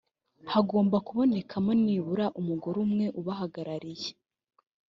hagomba kubonekamo nibura umugore umwe ubahagarariye